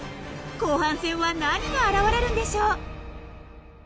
［後半戦は何が現れるんでしょう］